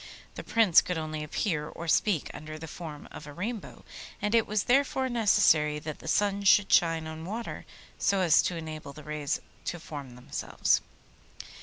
The Prince could only appear or speak under the form of a Rainbow, and it was therefore necessary that the sun should shine on water so as to enable the rays to form themselves.